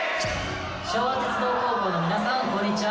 昭和鉄道高校の皆さんこんにちは。